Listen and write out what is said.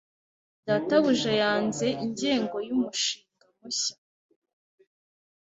Databuja yanze ingengo yumushinga mushya.